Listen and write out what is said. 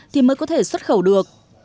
thì mới có thể xuất khẩu được